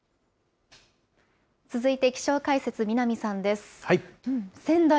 続いて気象解説、南さんです。